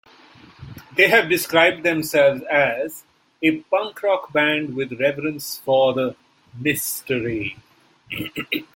They have described themselves as ...a punk rock band with reverence for the Mystery.